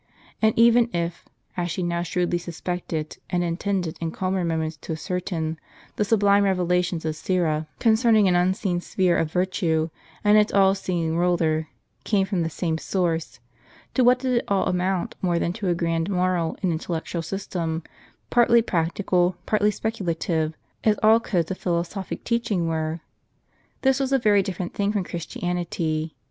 And even if, as she now shrewdly suspected, and intended in calmer moments to ascertain, the sublime revelations of Syra, concerning an unseen sphere of virtue, and its all seeing Kuler, came from the same source, to what did it all amount more than to a grand moral and intellectual system, partly practical, partly speculative, as all codes of jDhilosophic teaching were? This was a very different thing from Christianity.